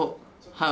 はい。